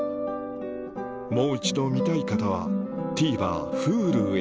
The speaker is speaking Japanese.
もう一度見たい方はＴＶｅｒＨｕｌｕへ